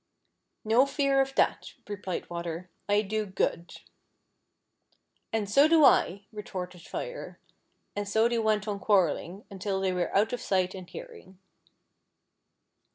" No fear of that," replied Water ;" I do good." "And so do I," retorted Fire; and so they went on quarrelling until they were out of sight and hearing.